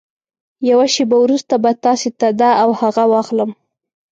يوه شېبه وروسته به تاسې ته دا او هغه واخلم.